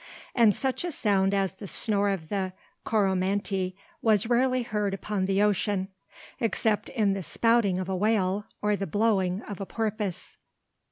And such a sound as the snore of the Coromantee was rarely heard upon the ocean, except in the "spouting" of a whale or the "blowing" of a porpoise.